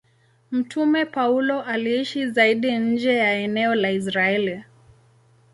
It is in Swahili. Mtume Paulo aliishi zaidi nje ya eneo la Israeli.